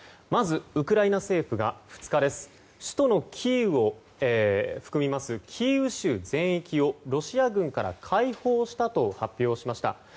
まず、ウクライナ政府が２日主都のキーウを含みますキーウ州全域をロシア軍から解放したと発表しました。